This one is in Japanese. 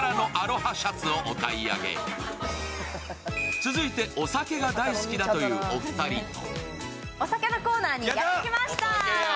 続いてお酒が大好きだというお二人とお酒のコーナーにやってきました。